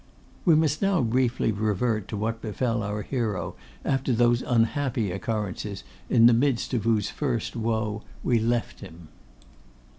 We must now briefly revert to what befell our hero after those unhappy occurrences in the midst of whose first woe we left him.